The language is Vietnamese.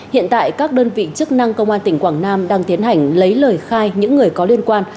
hiện tại các đơn vị chức năng công an tỉnh quảng nam đang tiến hành lấy lời khai những người có liên quan